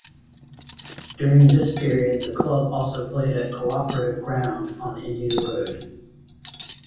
During this period the club also played at Co-operative Ground on India Road.